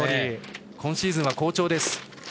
今シーズンは好調。